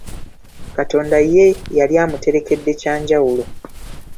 Katonda ye yali amuterekedde kyanjawulo!